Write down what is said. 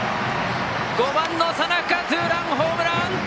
５番の佐仲ツーランホームラン！